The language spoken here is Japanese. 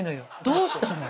どうしたの？